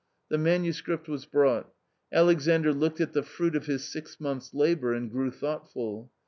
The manuscript was brought. Alexandr looked at the fruit of his six months' labours and grew thoughtful.